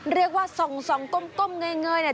เรียกว่าส่องก้มเงยเนี่ย